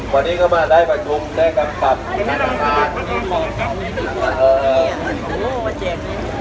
วันนี้ก็มาได้ประชุมได้การปรับนักศึกษาเออ